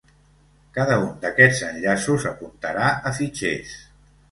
Cada un d'aquests enllaços apuntarà a fitxers.